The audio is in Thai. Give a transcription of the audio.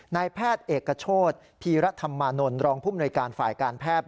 นายแพทย์เอกโชธพีรธรรมานนท์รองภูมิหน่วยการฝ่ายการแพทย์